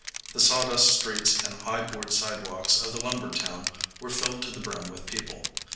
The sawdust streets and high board sidewalks of the lumber town were filled to the brim with people.